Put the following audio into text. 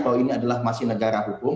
bahwa ini adalah masih negara hukum